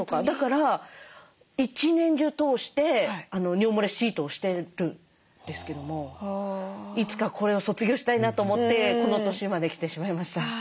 だから一年中通して尿もれシートをしてるんですけどもいつかこれを卒業したいなと思ってこの年まで来てしまいました。